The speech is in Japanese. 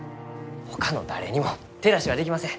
ほかの誰にも手出しはできません。